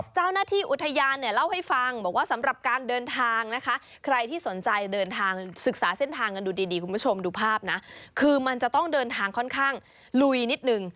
เจ้าหน้าที่อุทยานเนี่ยเล่าให้ฟังบอกว่าสำหรับการเดินทางนะคะใครที่สนใจเดินทางศึกษาเส้นทางกันดูดีคุณผู้ชมดูภาพนะคือมันจะต้องเดินทางค่อนข้างลุยนิดนึง